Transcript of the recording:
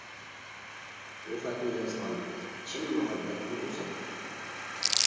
بۇ خەتنى يازغان، چىن مۇھەببەتنىڭ ئۆزى.